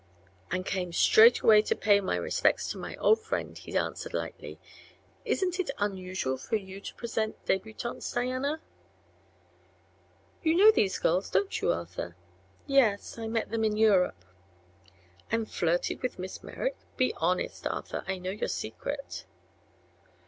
"And came straightway to pay my respects to my old friend," he answered lightly. "Isn't it unusual for you to present debutantes, Diana?" "You know these girls, don't you, Arthur?" "Yes; I met them in Europe." "And flirted with Miss Merrick? Be honest, Arthur, I know your secret."